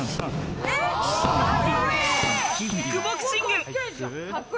キックボクシング。